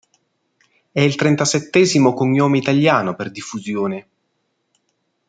È il trentasettesimo cognome italiano per diffusione.